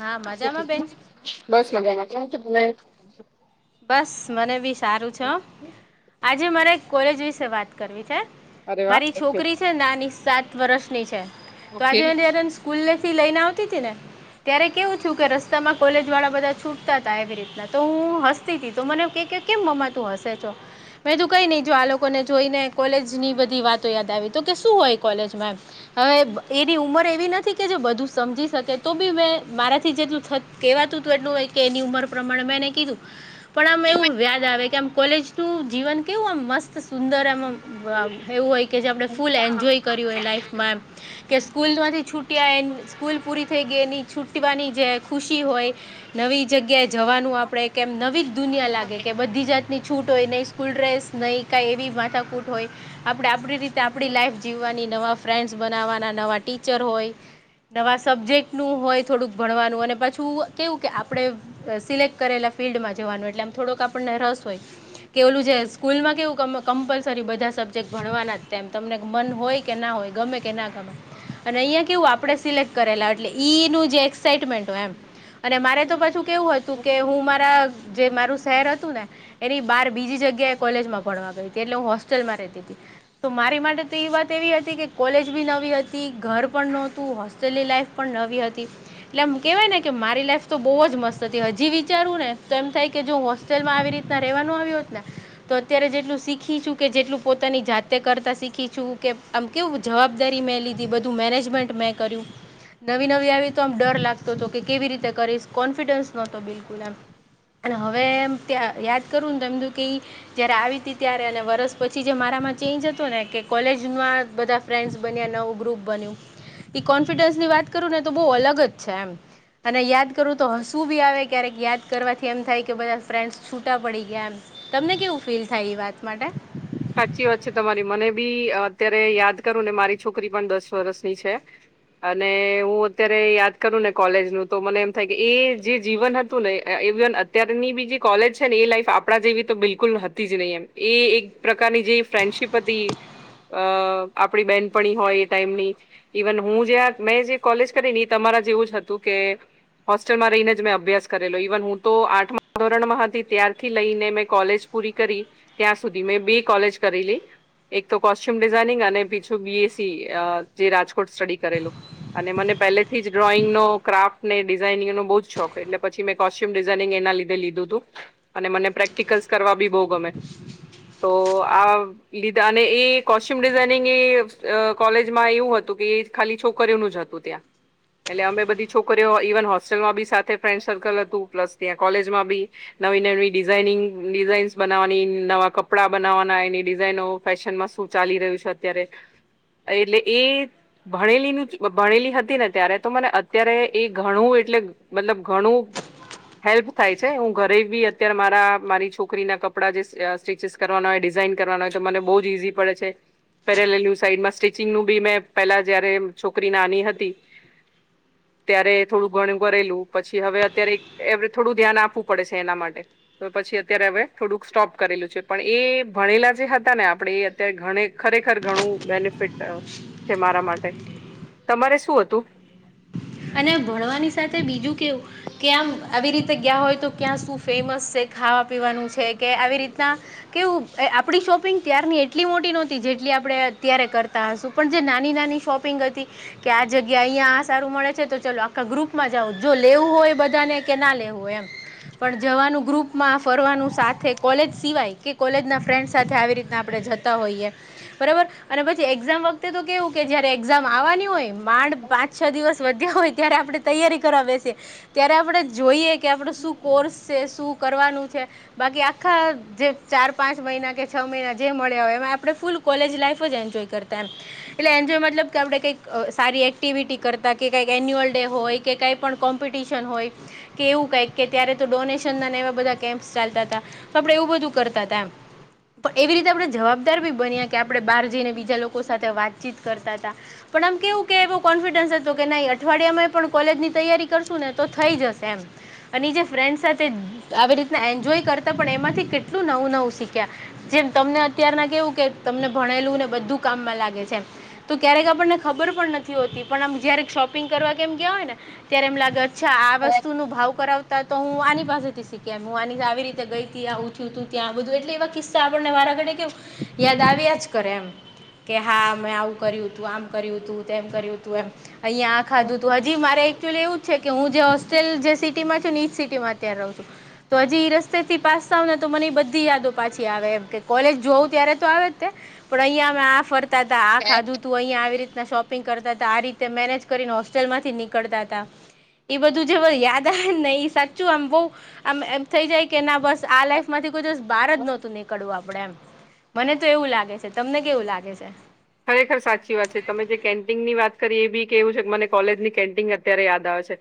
હા મજામાં બેન બસ મજામાં કેમ છો તમે બસ મને બી સારું છે આજે મારે એક કોલેજ વિશે વાત કરવી છે અરે વાહ મારી ઓકે છોકરી છે ને નાની સાત વર્ષની છે તો ઓકે. આજે એની આરંસ સ્કૂલે થી લઈન આવતી તી ને ત્યારે કેવું થ્યું કે રસ્તામાં કોલેજ વાળા બધા છૂટતા હતા એવી રીતના તો હું હસ તીતી તો મને કેમ મમા તું હશે છો મે તું કઈ નહી જો આ લોકોને જોઈને કોલેજ ની બધી વાતો યાદ આવી તો કે શું હોય કોલેજમાં એમ હ એ એની ઉંમર એવી નથી કે જો બધું સમજી શકે તો બી મેં મારાથી જેટલું થત કહેવાતું હતું એટલું કે એની ઉંમર પ્રમાણે મેં કીધું પણ આમ એવું યાદ આવે કે આમ કોલેજ નું જીવન કેવું આમ મસ્ત સુંદર એમ મ હ એવું હોય કે જે આપણે ફૂલ એન્જોય કર્યું હોય લાાઈફમાં એમ કે સ્કૂલમાંથી છૂ ક્યાં એ સ્કૂલ પૂરી થઈ ગઈ એની છુટવાની જે ખુશી હોય નવી જગ્યાએ જવાનું આપડે કેમ નવી જ દુનિયા લાગે કે બધી જાત ની છૂટ હોય નહીં સ્કૂલડ્રેસ નહીં કાંઈ એવી માથાકૂટ હોય આપડે આપડી રીતે આપણી લાઈફ જીવવાની નવા ફ્રેન્ડસ બનાવાના નવા ટીચર હોય નવા સબ્જેક્ટ નું હોય થોડુંક ભણવાનું અને પાછું કેવું કે આપડે સિલેક્ટ કરેલા ફિલ્ડમાં જવાનું એટલે આમ થોડોક આપણને રસ હોય કેલું છે સ્કૂલમાં કેવું કમ કમ્પલસરી બધા સબ્જેક્ટ ભણવાના તેમ તમને મન હોય કે ના હોય ગમે કે ના ગમે અન અહિયાં કેવું આપડણે સિલેક્ટ કરેલા એટલે ઈ નું જે એક્સાઈમેન્ટ હોય એમ અને મારે તો પછું કેવું હતું કે હું મા હ જે મારું શહેર હતું ને એની બાર બીજી જગ્યાએ કોલેજ માં ભણવા ગઈ હતી એટલે હું હોસ્ટેલમાં રેતી તી તો મારી માટે તો એ વાત એવી હતી કે કોલેજ બી નવી હતી ઘર પણ નોતું હો હોસ્તેલ ની લાઈફ પણ નવી હતી એટલે આમ કેહેવાય ને કે મારી લાઈફ તો બહુ જ મસ્ત હતી હજી વિચારું ને તો એમ થાય કે જો હોસ્તેલમાં આવી રીતના રેવાનું આવ્યું હોત ને તો અત્યારે જેટલું શીખીશું કે જેટલું પોતાની જાતે કરતા શીખી છું કેમ આમ કેવું જવાબદારી મેં લીધી બધું મેરેજમેન્ટ મેં કર્યું નવી નવી આવી તો આમ ડર લાગતો તો કે કેવી રીતે કરીશ કોન્ફિડન્સ નહતો બિલકુલ એમ અને હવે એમ તં યાદ કરું ને એમ તો કેઈ જયારે આવી ત ત્યારે અને વરસ પછી જે મારા માં ચેન્જ હતો ને કે કોલેજમાં બધા ફ્રેન્ડ્સ બન્યા નવું ગ્રુપ બન્યું એ કોન્ફિડન્સની વાત કરું ને તો બહુ અલગ જ છે એમ. અને યાદ કરવું તો હસવું બી આવે ક્યારેક યાદ કરવા એમ થાય કે બધા ફ્રેન્ડસ છૂટા પડી ગયા એ તમને કેવું ફીલ થાય એ વાત માટે? સાચી વાત છે તમારી મને બી અત્યારે યાદ કરું ને મારી છોકરી પણ દસ વર્ષની છે. અને હું અત્યારે યાદ કરું ને કોલેજનું તો મને એમ થાય કે એ જે જીવન હતું નઈ અત્યની બી જે કોલેજ છે ને એ લાઈફ આપણા જેવી તો બિલકુલ હતી જ નહી. એમ એ એક પ્રકારની જે ફ્રેન્ડશીપ હતી અ આપણી બેનપણી હોય એ ટાઈમની ઈ વન હું જયાં મેં જે કોલેજ કરી ને તમારા જેવું જ હતું કે હોસ્ટેલમાં રહીને જ મેં અભ્યાસ કરેલો ઇ વન હું તો આઠમા ધોરણમાં હતી ત્યારથી લઈને મેં કોલેજ પૂરી કરી ત્યાં સુધી મેં બે કોલેજ કરી લઈ એક તો કોસ્ટ્યુમ ડિઝાઇનિંગ અને બીજું બી એસી જે રાજકોટ સ્ટડી કરેલું. અને મને પહેલેથી જ ડ્રોઈંગનો ક્રાફ્ટ ને ડિઝાઇનિંગનો બહુ જ શોખ એટલે પછી મે કોસ્ટ્યુમ ડિઝાઇનિંગ એના લીધે લીધું હતું અને મને પ્રેક્ટિકલ્સ કરવા બી બહુ ગમે. તો આ લીધા અને એ કોસ્ટ્યુમ ડિઝાઇનિંગ એ કોલેજમાં એવું હતું, કે એ ખાલી છોકરીઓનું જ હતું. [inaudible] એટલે અમે બધી છોકરીઓ ઇવન હોસ્ટેલમાં બી સાથે ફ્રેન્ડ સર્કલ હતું પ્લસ ત્યાં કોલેજમાં બી નવી-નવી ડિઝાઇનિંગ ડિઝાઇન્સ બનાવાની નવા કપડા બનાવવાના એની ડિઝાઇનો ફેશનમાં શું ચાલી રહ્યું છે. અત્યારે એટલે એ ભણેલી-ભણેલી હતી ને ત્યારે તો મને અત્યારે એ ઘણું એટલે મતલબ ઘણું હેલ્પ થાય છે હું ઘરે બી અત્યારે મારી છોકરીના કપડા જે સ્ટીચસ કરવાના હોય ડિઝાઇન કરવાનો હોય તો મને બહુ જ ઈઝી પડે છે. પેરેલેલુ સાઈડમાં સ્ટિચિંગનું બી મેં પેલા જયારે છોકરી નાની હતી. [inaudible] ત્યારે થોડું ઘણું કરેલું પછી હવે અત્યારે એ થોડું ધ્યાન આપવું પડે છે, એના માટે તો પછી અત્યારે હવે થોડુંક સ્ટોપ કરેલું છે. પણ એ ભણેલા જે હતા ને આપણેે એ અત્યારે ખરેખર ઘણું બેનિફિટ છે મારા માટે તમારે શું હતું? અને ભણવાની સાથે બીજું કેવું કેમ આવી રીતે ગયા હોય તો ક્યાં શું ફેમસ છે ખાવા પીવાનું છે કે આવી રીતના કેવું આપણી શોપિંગ ત્યારની એટલી મોટી નહોતી જેટલી આપણે અત્યારે કરતા હશું પણ જે નાની નાની શોપિંગ હતી, કે આ જગ્યા અહીં આ સારું મળે. તો ચાલ આખા ગ્રુપમાં જાવ જો લેવું હોય બધાને કે ના લેવું હોય એમ. પણ જવાનું ગ્રુપમાં ફરવાનું સાથે કોલેજ સિવાય કે કોલેજના ફ્રેન્ડ સાથે આવી રીતના આપણે જ બરાબર અને પછી એક્ઝામ વખતે તો કેવું કે જયારે એક્ઝામ આવવાની હોય. માંડ પાંચ-છ દિવસ વધ્યા હોય ત્યારે આપણે તૈયારી કરવા બેસી ત્યારે આપણે જોઈએ. કે આપણુ શું કોર્સ છે, શું કરવાનું છે. બાકી આખા જે ચાર પાંચ મહિના કે છ મહિના જે મળ્યા હોય એમાં આપે ફૂલ કોલેજ લાઈફ જ એન્જોય કરતા એમ એટલે એન્જોય મતલબ કે આપણે કંઈક સારી એક્ટિવિટી કરતા. કે કંઈક એન્યુઅલ ડે હોય કે કંઈ પણ કોમ્પિટિશન હોય. કે એવું કઈક કે ત્યારે તો ડોનેશનના એવા બધા કેમ્પસ ચાલતા હતા. તો આપણે એવું બધું કરતા હતા, પણ એવી રીતે આપણે જવાબદાર બી બન્યા કે આપણે બહાર જઈને બીજા લોકો સાથે વાત કરતા હતા પણ આમ કેવું કે એવ કોન્ફિડન્સ તો કે ન અઠવાડિયામાં પણ કોલેજની તૈયારી કરશું ને તો થઈ જશે એમ. અને જે ફ્રેન્ડ આવી રીતના એન્જોય કરતા પણ એમાંથી કેટલું નવું-નવું શીખ્યા. જેમ તમને અત્યારના કેવું કે તમને ભણેલુંને બધું કામમાં લાગે છે. તો ક્યારેક આપણને ખબર પણ નથી હોતી પણ આમ જયારે શોપિંગ કરવા કે એમ ગયા હોય ને ત્યારે એમ લાગે અચ્છા આ વસ્તુનો ભાવ કરાવતા તા તો હું આની પાસેથી શીખયા હું આની આવી રીતે ગઈ તી આવું થયું તું ત્યાં બધું એટલે એવા કિસ્સા તો આપણને વાળા ગળી કેમ યાદ આવ્યા જ કરે એમ. કે હા મેં આવું કર્યું હતું આમ કર્યું હતું તેમ કર્યું હતું એમ અહીંયા આ ખાધું તું આ જી મારે એકચુઅલી એવું જ છે કે હું જે હોસ્ટેલ જે સિટીમાં છું ઈજ સિટીમાં ત્યાં રહું છું તો હજી એ રસ્તે થી પાસ થાવ ને તો મને બધી યાદો પાછી આવે એમ કે કોલેજ જોઉં ત્યારે તો આવે જને પણ અહીંયા હવે આ ફરતા હતા આ હે? ખાધું તું અહીયાયા આવી રીતના શોપિંગ કરતા હતા આ રી તે મેનેજ કરીને હોસ્ટેલમાંથી નીકળતા હતા. એ બધું જે યાદ આવે નહિ સાચું આમ બહું આમ એમ થઈ જાય કે ના બસ આ લાઈફ માંથી કોઈ દિવસ બાર જ નહોતું નીકળવું આપડે એમ. મને તો એવું લાગે છે તમને કેવું લાગે છે? ખરેખર સાચી વાત છે તમે જે કેન્ટિન ની વાત કરી એ બી કે એવું છે કે મને કોલેજની કેન્ટિન અત્યારે યાદ આવે છે.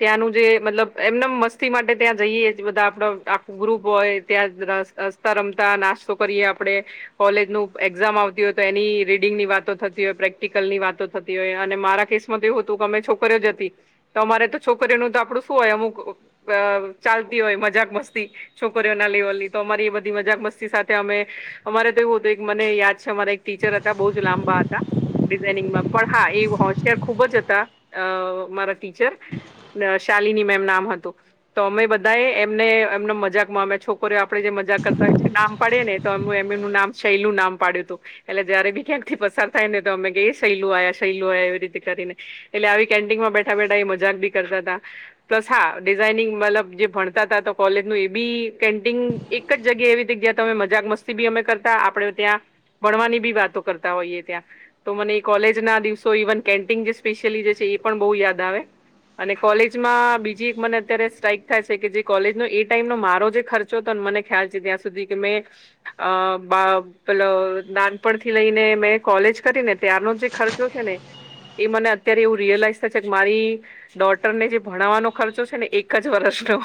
ત્યાંનું જે મતલબ એમનેમ મસ્તી માટે ત્યાં જઈએ બધા આપડ આખો ગ્રુપ હોય ત્યાજ રસ રસ્તા રમતા નાસ્તો કરીએ આપડે કોલેજ નું એક્ઝામ આવતી હોય તો એની રીડ ડિંગ ની વાતો થતી હોય પ્રેક્ટિકલ ની વાતો થતી હોય અને મારા કેસ માં તો એવું હતું કે અમે છોકરીઓ જ હતી. તો અમારે તો છોકરીઓનું તો આપડું શું હોય અમુક અ ચાલતી હોય મજાક મસ્તી છોકરીઓના લેવલની તો અમારી એ બધી મજાક મસ્તી સાથે અમે અમારે તો એવું હતું એક મને યાદ છે અમારા એક ટીચર હતા બહુ જ લાંબા હતા ડિઝાઇનિંગમાં પણ હા એ હોશિયાર ખુબ જ હતા અ મારા ટીચર શાલીની મેમ નામ હતું તો અમે બધાએ એમને એમનો મજાક મા છોકરી આપણેે જે મજાક કરતા હોય જે નામ પાડીએ ને તો એમનું એમ એમનું નામ શૈલું નામ પાડ્યું હતું એટલે જયારે બી ક્યાંક થી પસાર થાય ને તો અમે શૈલો આયા શૈલો એવી રીતે કરીને એટલે આવી કેન્ટીનમાં બેઠા બેઠા એ મજાક ભી કરતા હતા પ્લસ હા ડિઝાઇનિંગ મતલબ જે ભણતા હતા તો કોલેજનું એ બી કેન્ટિન એક એક જગ્યા એવી હતી જ્યાં તમે મજાક મસ્તી બી અમે કરતા આપડણે ત્યાં ભણવાની બી વાતો કરતા હોઈએ ત્યાં તો મને એ કોલેજ ના દિવસો ઇવન કેન્ટીન જે સ્પેશિયલી જે છે એ પણ બહુ યાદ આવે અને કોલેજમાં બીજી એક મને અત્યારે સ્ટ્રાઈક થાય છે કે જે કોલેજનો એ ટાઈમનો મારો જે ખર્ચ જો તને મને ખ્યાલ છે ત્યાં સુધી કે મે અ મ બ પેલો ઉપરથી લઈને મેં કોલેજ કરીને ત્યારનો જે ખર્ચો છે ને એ મને અત્યારે એવું રિયલાઈઝ થશે મારી ડોટરને જે ભણાવવાનો ખર્ચો છે ને એક જ વર્ષનો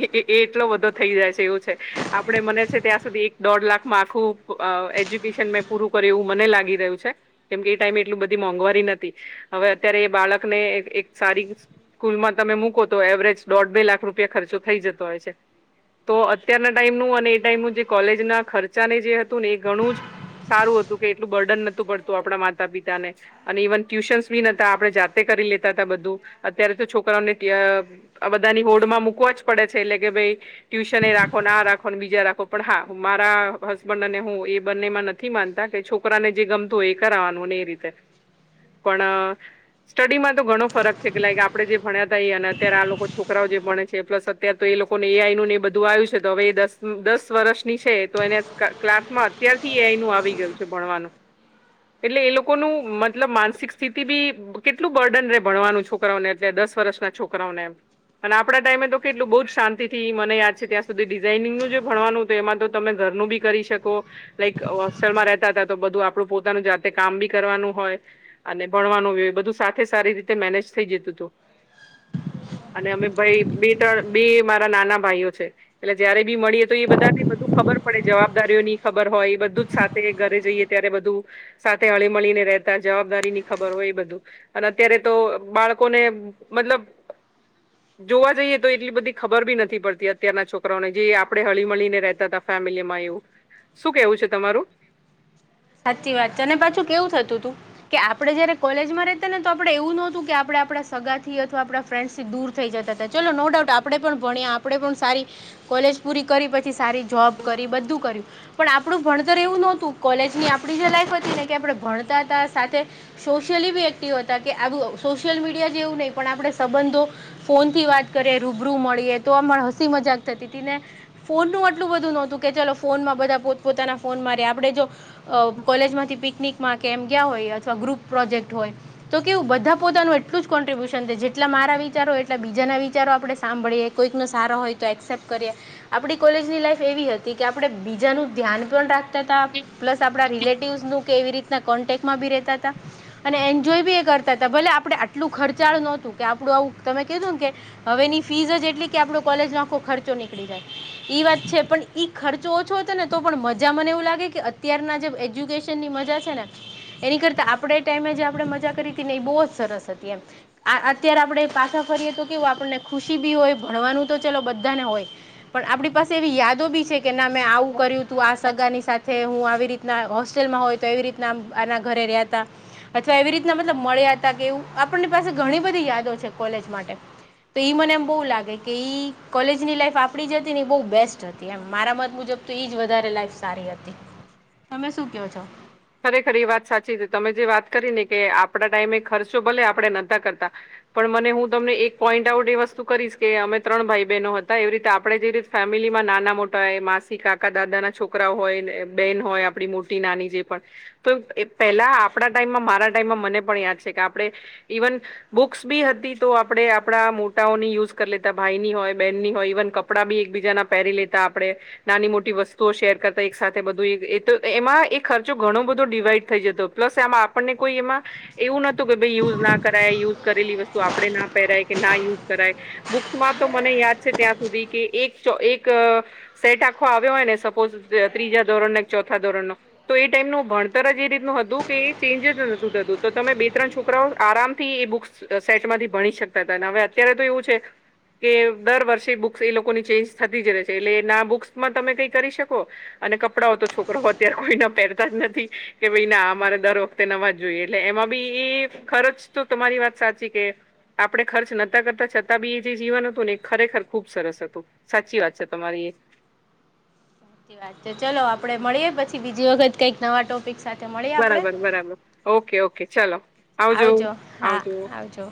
એ એટલો બધો થઈ જાય છે એવું છે. આપડે મને છે ત્યાં સુધી એક દોઢ લાખમાં આખું અ એજ્યુકેશન મે પૂરું કર્યું એવું મને લાગી રહ્યું છે કેમકે એ ટાઈમે એટલું બધી મોંઘવારી નતી હવે અત્યારે એ બાળકને એક સારી સ્કૂલમાં તમે મૂકો છો તો એવરેજ દોઢ બે લાખ રૂપિયા ખર્ચો થઈ જતો હોય છે. તો અત્યારના ટાઈમનું અને એ ટાઈમનું જે કોલેજના ખર્ચાને જે હતું ને એ ઘણું જ સારું હતું કે એટલું બર્ડન નોતું પડતું આપણા માતા પિતા ને અને ઇવન ટ્યુશન્સ બી નતા આપણે જાતે કરી લેતા હતા બધું અત્યારે તો છોકરાઓને ત્યાં આ બધાની હોડમાં મુકવા જ પડે છે એટલે કે ભાઈ ટ્યુશન એ રાખો આ રાખો ને બીજા રાખો પણ હા મારા હસબન્ડ અને હું એ બંને માં નથી નથી માનતા કે છોકરાને જે ગમતું હોય એ કરવાનુંને એ રીતે પણ સ્ટડીમાં તો ઘણો ફરક છે કે લાઈક આપડે જે ભણ્યા હતા અને અત્યારે આ લોકો છોકરાઓ જે ભણે છે પ્લસ ત્યાં તો એ લોકોને એ આઈનું ને એ બધું આવ્યું છે તો હવે એ દસ દસ વર્ષ ની છે તો એને ક્લાસ માં અત્યારથી એ આઈનું આવી ગયું છે ભણવાનું એટલે એ લોકોનું મતલબ માનસિક સ્થિતિ બી કેટલું બર્ડન રે ભણવાનું છો છોકરાઓને એટલે દસ વર્ષના છોકરાઓને એમ અને આપણા ટાઈમે તો કેટલું બહુ જ શાંતિથી મને યાદ છે ત્યાં સુધી ડિઝાઇનિંગનું જે ભણવાનું હતું એમાં તો તમે ઘરનું બી કરી શકો કંઇક હોસ્ટલમાં રેતા હતા તો બધું આપડું પોતાનું જાતે કામ બી કરવાનું હોય અને ભણવાનું બધું સાથે સારી રીતે મેનેજ થઈ જતું હતું અને અમે ભાઈ બી ત્રણ બી મારા નાના ભાઈઓ છે. એટલે જયારે બી મળીએ તો એ બધા ને બધું ખબર પડે જવાબદારીઓ ની ખબર હોય એ બધું સાથે ઘરે જઈએ ત્યારે બધું સાથે હળી મળીને રહેતા જવાબદારી ની ખબર હોય એ બધું અને અત્યારે તો બાળકોને મતલબ [inaudible] જોવા જઈએ તો એટલી બધી ખબર બી નથી પડતી અત્યારના છોકરાઓને જે આપડણે હળી મળીને રહેતા હતા ફેમિલીમાં એવું શું કેવું છે તમારું સાચી વાત છે અને પાછું કેવું થતું તું કે આપડે જયારે કોલેજમાં રેતા ને તો આપડે એવું નતું કે આપણે આપડા સગાથી અથવા આપ ફ્રેન્ડ્સથી દૂર થઈ જતા હતા ચલો નો ડાઉટ આપણે પણ ભણ્યા આપણે પણ સારી કોલેજ પૂરી કરી પછી સારી જોબ કરી બધું કર્યું પણ આપણું ભણતર એવું નહોતું કોલેજ ને આપણી જે લાઈફ હતી ને કે આપણે ભણતા હતા સાથે. સોશિયલી બી એક્ટિવ હતા કે આવુ સોશિયલ મીડિયા જેવું નય કે આપણે સંબંધો ફોન થી વાત કરયે, રૂબરૂ મળીએ તો આમાં હસી મજાક થતી હતી ને ફોનનું આટલું બધું નોતું કે ચલો ફોનમાં બધા પોત પોતાના ફોન મા રેય આપણે જો. અ કોલેજમાંથી પિકનિકમાં કે એમ ગીયા હોય અથવા ગ્રુપ પ્રોજેક્ટ હોય. તો કેવું બધા પોતાનું એટલું જ કોન્ટ્રિબ્યુશન જેટલા મારા વિચારો એટલા બીજાના વિચારો આપણે સાંભળીએ. કોઈકનો સારો હોય તો એક્સેપ્ટ કરીએ. આપડી કોલેજની લાઈફ એવી હતી કે આપડે બીજાનું ધ્યાન પણ રાખતા તા. પ્લસ આપણા રિલેટિવસ નું કે એવી રીતના કોન્ટેકમાં ભી રેતા તા. અને એન્જોય બી એ કરતા હતા ભલે આપણે આટલું ખર્ચાળું નોતું કે આપણું આવું તમે કીધું ને કે હવેની ફીસ જ એટલી કે આપડો કોલેજનો આખો ખર્ચો નીકળી જાય. ઈ વાત છે પણ ઈ ખર્ચો ઓછો હતો ને તો પણ મજા મને એવું લાગે કે અત્યારના જે એજ્યુકેશનની મજા છે ને એની કરતા આપણે ટાઈમે જે આપણેે મજા કરી હતી ને એ બો જ સરસ હતી એમ. આ અત્યારે આપણે પાછા ફરીએ તો કેવું આપણને ખુશી બી હોય ભણવાનું તો ચલો બધાને હોય. પણ આપણી પાસે એવી યાદો બી છે કે ના મેં આવું કર્યું તું આ સગાની સાથે હું આ આવી રીતના હોસ્ટેલમાં હોય તો એવી રીતના આના ઘરે રેયા તા. અથવા એવી રીતના મતલબ મળ્યા હતા કે એવું આપણની પાસે ઘણી બધી યાદો છે કોલેજ માટે. તો ઈ મને એમ બો લાગે કે ઈ કોલેજની લાઈફ આપડી જે હતી ને એ બો બેસ્ટ હતી એમ મારા મત મુજબ. તો ઈ જ વધારે લાઈફ સારી હતી. તમે શું કેહવો છો? ખરેખર એ વાત સાચી છે તમે જે વાત કરી ને કે આપડા ટાઈમે ખર્ચો ભલે આપણે નતા કરતા. પણ મને હું તમને એક પોઈન્ટ આઉટ એ વસ્તુ કરીશ કે અમે ત્રણ ભાઈ બહેનો હતા એવી રીતે આપણે જે રીત ફેમિલીમાં નાના, મોટા એ માસી, કાકા, દાદા ના છોકરા હોય બેન હોય આપણી મોટી નાની જે. પણ તો પહેલા આપણા ટાઈમમાં મારા ટાઈમમાં મને પણ યાદ છે કે આપણે ઈવન બુક્સ બી હતી તો આપડે આપણા મોટાઓની યુઝ કરી લેતા ભાઈની હોય, બેનની હોય ઈવન કપ કપડા બી એકબીજાના પહેરી લેતા આપણે. નાની મોટી વસ્તુઓ શેર કરતા એક સાથે બધું અ એતો એમાં એક ખર્ચો ઘણો બધો ડિવાઈડ થઈ જતો પ્લસ આ માં આપણને કોઈ એમાં એવું નોતું કે ભાઈ યુઝ ના કરાય યુઝ કરેલી વસ્તુ આપણે ના પહેરાય કે ના યુઝ કરાય. બુક્સમાં તો મને યાદ છે ત્યાં સુધી કે એક એક. સેટ આખો આવ્યો હોય ને સપોઝ ત્રીજા ધોરણ કે ચોથા ધોરણ નો. તો એ ટાઈમનું ભણતર જ એ રીતનું હતું કે એ ચેન્જ જ નથી થતું તો તમે બે ત્રણ છોકરાઓ આરામથી એ બુક્સ સેટમાંથી ભણી શકતા હતા અને હવે અત્યારે તો એવું છે. કે દર વર્ષે બુક્સ એ લોકોની ચેન્જ થતી જ રહે છે એટલે ના બુક્સમાં તમે કઈ કરી શકો અને કપડાઓ તો છોકરા ઓ અત્યારે કોઈ ના પહેરતા જ નથી કે ભાઈ ના અમારે દર વખતે નવા જ જોઈએ એટલે એમાં બી એ ખરચ તો તમારી વાત સાચી કે આપણે ખર્ચ નતા કરતા છતાં બી એ જે જીવન હતું ને એ ખરેખર ખુબ સરસ હતું. સાચી વાત છે તમારી એ. સાચી વાત તો ચલો આપડે મળીએ પછી બીજી વખત કઈક. બરાબર બરાબર ઓકે ઓકે ચલો ઓકે. આવજો હા આવજો. આવજો.